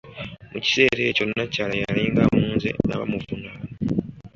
Mu kiseera ekyo nnakyala yalinga awunze nga bamuvunaana.